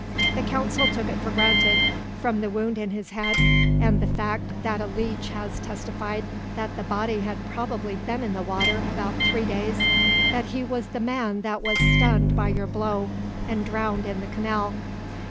"The council took it for granted, from the wound in his head, and the fact that a leech has testified that the body had probably been in the water about three days, that he was the man that was stunned by your blow, and drowned in the canal.